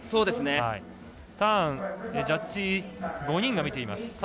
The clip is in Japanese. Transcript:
ターンジャッジ５人が見ています。